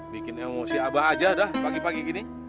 bikin emosi abah aja dah pagi pagi gini